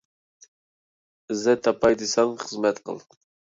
ئىززەت تاپاي دىسەڭ خىزمەت قىل.